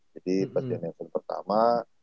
jadi pertanyaannya ke pertama